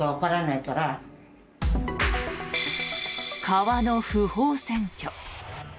川の不法占拠。